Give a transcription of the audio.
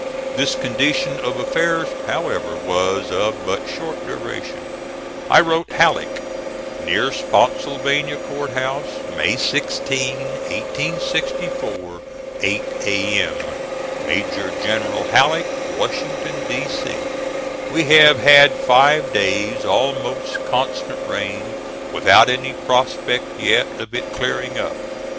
This condition of affairs, however, was of but short duration. I wrote Halleck: NEAR SPOTTSYLVANIA C. H., May 16, 1864, 8 A.M. MAJOR GENERAL HALLECK, Washington, D. C.: We have had five days almost constant rain without any prospect yet of it clearing up.